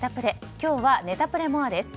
今日はネタプレＭＯＲＥです。